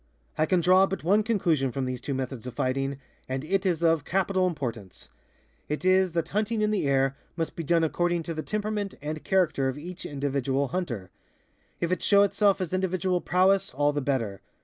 I can draw but one conclusion from these two methods of fighting, and it is of capital importance. It is that hunting in the air must be done according to the temperament and character of each individual hunter. If it show itself as individual prowess, all the better.